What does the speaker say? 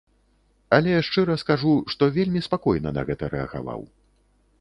Але шчыра скажу, што вельмі спакойна на гэта рэагаваў.